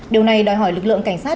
điều này đòi hỏi lực lượng cảnh sát